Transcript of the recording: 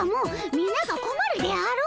みながこまるであろう！